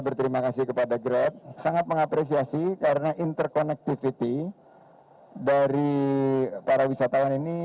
berterima kasih kepada grab sangat mengapresiasi karena interconnectivity dari para wisatawan ini